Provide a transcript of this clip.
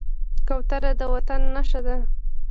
کوتره د وطن نښه ده.